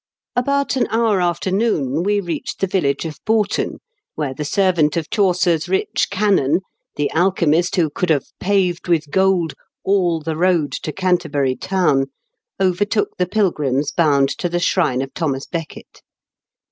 About an hour after noon we reached the village of Boughton, where the servant of Chaucer's rich canon — the alchemist who could have paved with gold "all the road to Canterbury town "— overtook the pilgrims bound to the shrine of Thomas Becket.